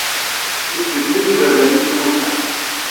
Isbeggen-d iberdan-is i Musa.